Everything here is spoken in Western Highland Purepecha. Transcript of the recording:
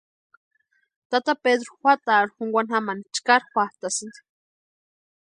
Tata Pedru juatarhu junkwani jamani chkari juatʼasïni.